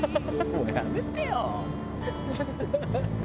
「もうやめてよ」